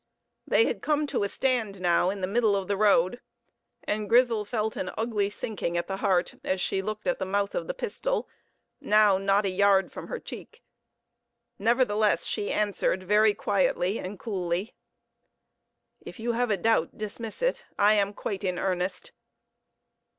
They had come to a stand now, in the middle of the road; and Grizel felt an ugly sinking at the heart as she looked at the mouth of the pistol, now not a yard from her cheek. Nevertheless she answered, very quietly and cooly "If you have a doubt, dismiss it; I am quite in earnest."